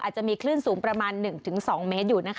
อาจจะมีคลื่นสูงประมาณหนึ่งถึงสองเมตรอยู่นะคะ